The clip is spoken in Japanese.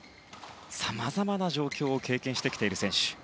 さまざまな状況を経験してきている選手。